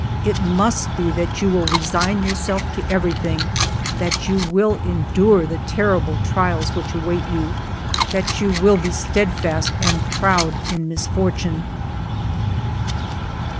It must be that you will re sign yourself to everything, that you will endure the terrible trials which await you, that you will be steadfast and proud in misfortune."